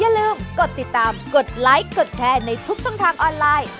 อย่าลืมกดติดตามกดไลค์กดแชร์ในทุกช่องทางออนไลน์